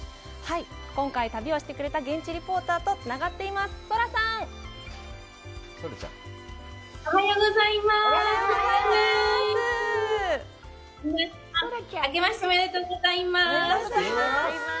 今回旅をしてくれた現地リポーターとつながっています。